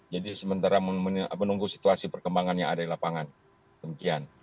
jadi sementara menunggu situasi perkembangan yang ada di lapangan